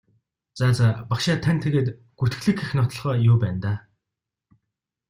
За за багшаа танд тэгээд гүтгэлэг гэх нотолгоо юу байна даа?